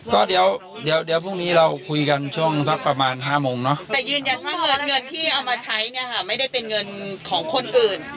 แต่ยืนยันว่าเงินที่เอามาใช้เนี่ยค่ะไม่ได้เป็นเงินของคนอื่น